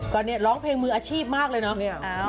ก็เนี่ยร้องเพลงมืออาชีพมากเลยเนาะ